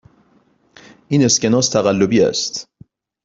این اسکناس تقلبی است.